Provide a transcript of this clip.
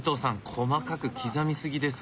細かく刻み過ぎです。